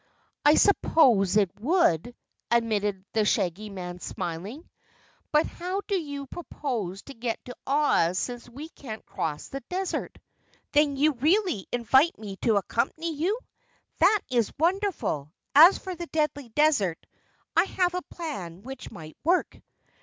"I suppose it would," admitted the Shaggy Man smiling. "But how do you propose to get to Oz since we can't cross the Desert?" "Then you really invite me to accompany you? That is wonderful! As for the Deadly Desert I have a plan which might work."